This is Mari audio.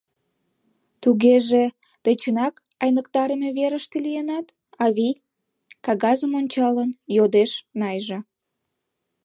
— Тугеже тый чынак айныктарыме верыште лийынат, авий? — кагазым ончалын, йодеш Найжа.